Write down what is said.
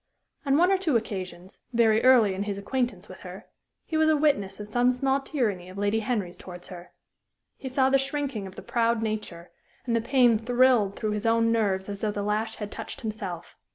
On one or two occasions, very early in his acquaintance with her, he was a witness of some small tyranny of Lady Henry's towards her. He saw the shrinking of the proud nature, and the pain thrilled through his own nerves as though the lash had touched himself.